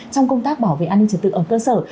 trong công tác bảo vệ an ninh trật tự ở cơ sở